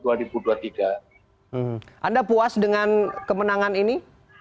anda puas dengan kemenangan ini